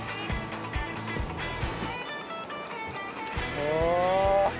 お！